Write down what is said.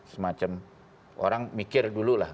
semacam orang mikir dulu lah